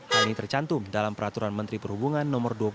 hal ini tercantum dalam peraturan menteri perhubungan no dua